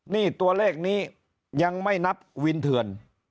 นี่ตัวเลขนี้ยังไม่นับวินเถื่อน